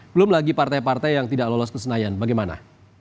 belum lagi partai partai yang tidak lolos ke senayan bagaimana